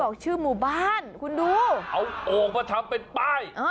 คุณดูใครว่าเรากำลังถามเป็นป้าย